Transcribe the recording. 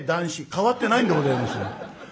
変わってないんでございます。